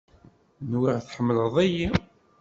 Nwiɣ tḥemleḍ-iyi.